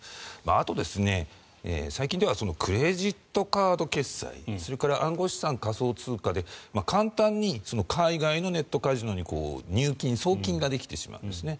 あと、最近ではクレジットカード決済それから暗号資産、仮想通貨で簡単に海外のネットカジノに入金、送金ができてしまうんですね。